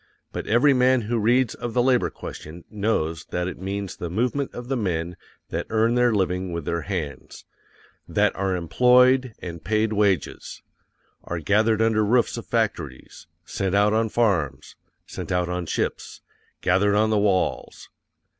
But every man who reads of the labor question knows that it means the movement of the men that earn their living with their hands; _THAT ARE EMPLOYED, AND PAID WAGES: are gathered under roofs of factories, sent out on farms, sent out on ships, gathered on the walls.